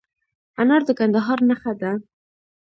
انار د کندهار نښه ده.